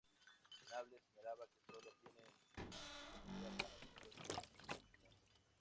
Venable señala que sólo tienen suficiente comida para los próximos dieciocho meses.